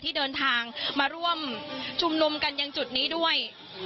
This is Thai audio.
ที่เดินทางมาร่วมชุมนุมกันยังจุดนี้ด้วย